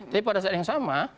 tapi pada saat yang sama